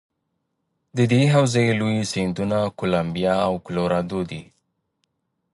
د دې حوزې لوی سیندونه کلمبیا او کلورادو دي.